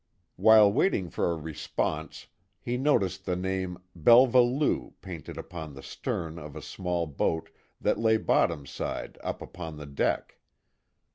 While waiting for a response he noticed the name Belva Lou painted upon the stern of a small boat that lay bottomside up upon the deck.